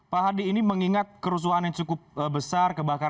pak hadi ini mengingat kerusuhan yang cukup besar ke bancis ini